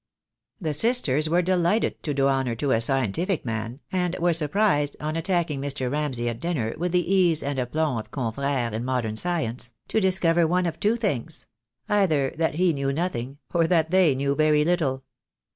The sisters were delighted to do honour to a scientific The Day zvill come. II. 7 g8 THE DAY WILL COME. man, and were surprised, on attacking Mr. Ramsay at dinner with the ease and aplomb of confreres in modern science, to discover one of two things — either that he knew nothing, or that they knew very little.